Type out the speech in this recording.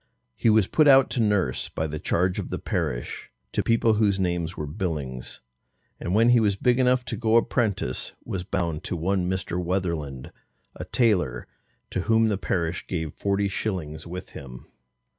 He was put out to nurse by the charge of the parish, to people whose names were Billings, and when he was big enough to go apprentice, was bound to one Mr. Wetherland, a tailor, to whom the parish gave forty shillings with him.